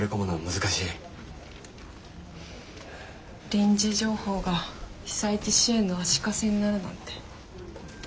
臨時情報が被災地支援の足かせになるなんて。